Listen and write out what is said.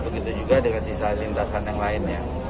begitu juga dengan sisa lintasan yang lainnya